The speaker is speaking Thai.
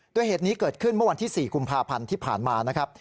โดยเหตุนี้เกิดขึ้นเมื่อวันที่๔กุมภาพันธ์ที่ผ่านมานะครับ